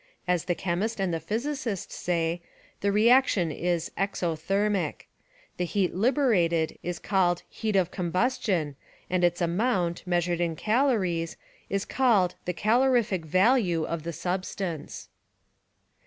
As the chemist and the physicist say, the reaction is exothermic. The heat liberated is called heat of combustion and its amount, measured in calories, is called the calorific value of the substance.